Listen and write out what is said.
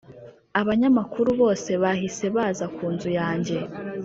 Abanyamakuru bose bahise baza kunzu yanjye.